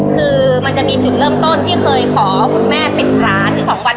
คือมันจะมีจุดเริ่มต้นที่เคยขอคุณแม่ปิดร้าน๒วัน